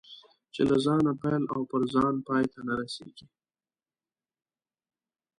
چې له ځانه پیل او پر ځان پای ته نه رسېږي.